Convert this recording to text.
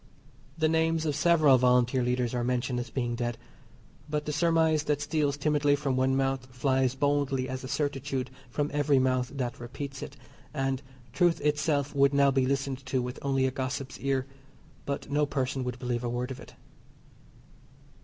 The names of several Volunteer Leaders are mentioned as being dead. But the surmise that steals timidly from one mouth flies boldly as a certitude from every mouth that repeats it, and truth itself would now be listened to with only a gossip's ear, but no person would believe a word of it.